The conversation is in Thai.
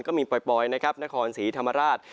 ก็มีปล่อยนะครับนครศรีธรรมราช